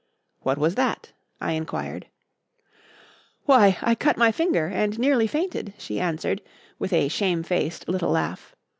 "What was that?" I inquired. "Why, I cut my finger and nearly fainted," she answered, with a shamefaced little laugh.